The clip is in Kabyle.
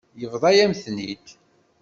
Yebḍa-yam-ten-id.